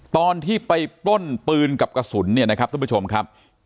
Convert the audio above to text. ตอนที่ไปปล้นปืนกับกระสุนนะครับทุกผู้ชมค่ะ